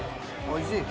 おいしい？